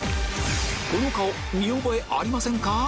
この顔見覚えありませんか？